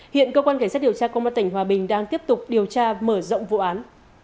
hiện cơ quan cảnh sát điều tra công an tỉnh hòa bình đang tiếp tục điều tra mở rộng vụ án